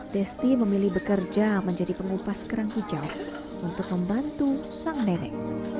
desti memilih bekerja menjadi pengupas kerang hijau untuk membantu sang nenek